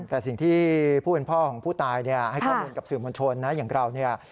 แต่สิ่งที่ผู้เป็นพ่อของผู้ตายให้ข้อมูลกับสื่อมวลชนนะอย่างเราเนี่ย